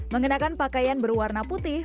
mengenakan pakaian berwarna putih